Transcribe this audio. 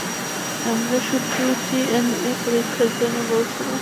আমরা শুধু ডিএনএ পরীক্ষার জন্য বলেছিলাম।